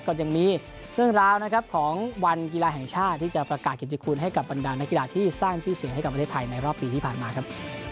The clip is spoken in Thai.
ก็ยังมีเรื่องราวนะครับของวันกีฬาแห่งชาติที่จะประกาศกิจคุณให้กับบรรดานักกีฬาที่สร้างชื่อเสียงให้กับประเทศไทยในรอบปีที่ผ่านมาครับ